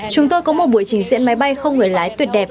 chúng tôi có một buổi trình diễn máy bay không người lái tuyệt đẹp